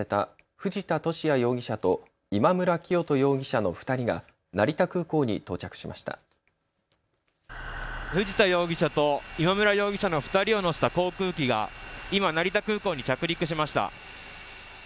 藤田容疑者と今村容疑者の２人を乗せた航空機が今、成田空港に着陸しました。